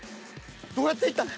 どうやって行ったん？